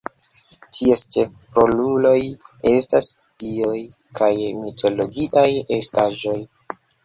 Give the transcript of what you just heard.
Ties ĉefroluloj estas dioj kaj mitologiaj estaĵoj.